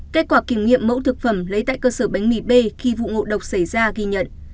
kết quả kiểm nghiệm mẫu thực phẩm lấy tại cơ sở bánh mì b khi vụ ngộ độc xảy ra ghi nhận